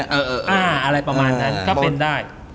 อะไรประมาณนั้นก็เป็นได้